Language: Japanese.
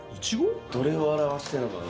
どれを表してんのかが。